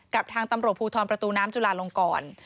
กับทางตำรวจภูทรประตูน้ำจุลาลงกร